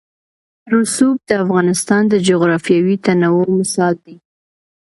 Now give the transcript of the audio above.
رسوب د افغانستان د جغرافیوي تنوع مثال دی.